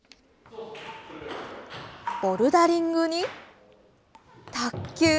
ボルダリングに、卓球。